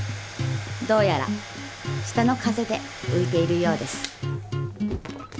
どうやら下の風で浮いているようです。